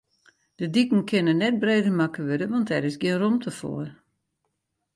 De diken kinne net breder makke wurde, want dêr is gjin rûmte foar.